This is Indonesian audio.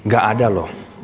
gak ada loh